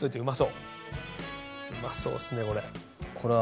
うまそうっすねこれ。